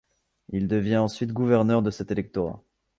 Il devient ensuite gouverneur de cet électorat.